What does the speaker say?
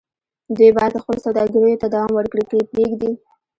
دوی بايد خپلو سوداګريو ته دوام ورکړي که يې پرېږدي.